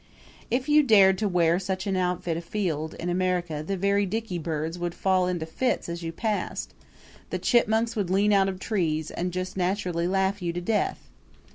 If you dared to wear such an outfit afield in America the very dickeybirds would fall into fits as you passed the chipmunks would lean out of the trees and just naturally laugh you to death!